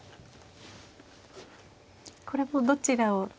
これもどちらを。